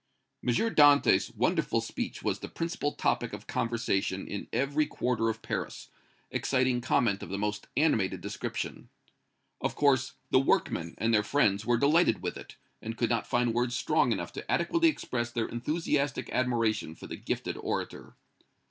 M. Dantès' wonderful speech was the principal topic of conversation in every quarter of Paris, exciting comment of the most animated description. Of course, the workmen and their friends were delighted with it, and could not find words strong enough to adequately express their enthusiastic admiration for the gifted orator.